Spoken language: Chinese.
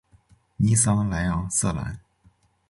尼桑莱昂瑟兰。